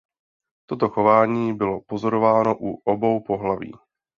Toto chování bylo pozorováno u obou pohlaví.